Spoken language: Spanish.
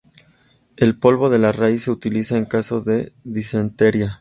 El polvo de la raíz se utiliza en caso de disentería.